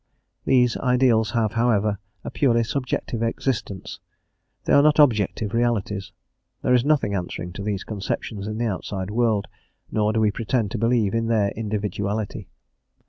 These ideals have, however, a purely subjective existence; they are not objective realities; there is nothing answering to these conceptions in the outside world, nor do we pretend to believe in their individuality.